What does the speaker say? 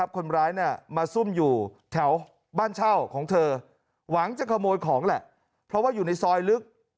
คนร้ายมาซุ่มอยู่แถวบ้านเช่าของเธอหวังจะขโมยของแหละเพราะว่าอยู่ในซอยลึก